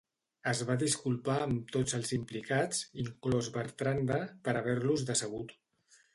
Es va disculpar amb tots els implicats, inclòs Bertrande, per haver-los decebut.